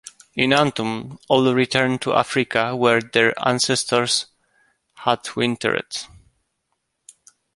In autumn all return to Africa, where their ancestors had wintered.